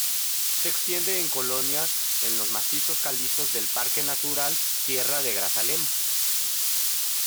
Se extiende en colonias en los macizos calizos del Parque Natural Sierra de Grazalema.